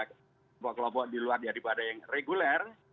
kelompok kelompok di luar daripada yang reguler